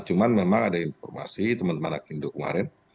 cuma memang ada informasi teman teman akindo kemarin